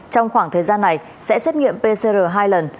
trong khoảng thời gian này sẽ xét nghiệm pcr hai lần